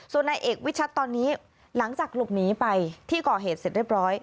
ส่วนนายเอกวิชัดตอนนี้หลังจากหลบหนีไปที่ก่อเหตุเสร็จเรียบร้อย